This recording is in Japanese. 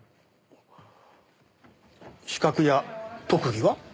資格や特技は？